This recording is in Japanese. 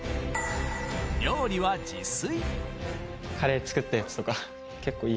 料理は自炊。